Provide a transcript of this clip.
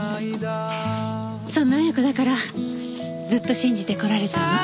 そんな亜矢子だからずっと信じてこられたの。